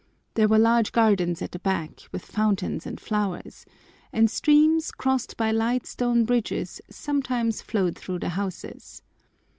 There were large gardens at the back, with fountains and flowers, and streams, crossed by light stone bridges, sometimes flowed through the houses.